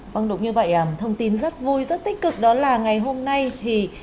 vâng đúng như vậy thông tin rất vui rất tích cực đó là ngày hôm nay thì